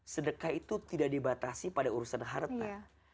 sedekah itu tidak dibatasi pada urusan harta